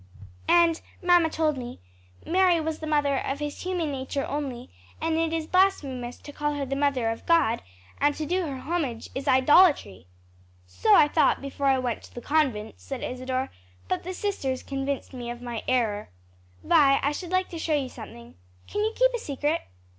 "And mamma told me Mary was the mother of his human nature only, and it is blasphemous to call her the mother of God; and to do her homage is idolatry." "So I thought before I went to the convent," said Isadore, "but the sisters convinced me of my error. Vi, I should like to show you something. Can you keep a secret?"